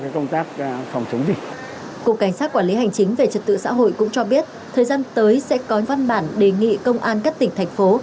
cục cảnh sát quản lý hành chính về trật tự xã hội cũng cho biết thời gian tới sẽ có văn bản đề nghị công an các tỉnh thành phố